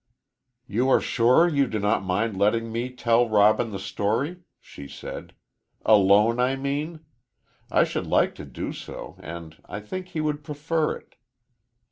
"You are sure you do not mind letting me tell Robin the story?" she said; "alone, I mean? I should like to do so, and I think he would prefer it."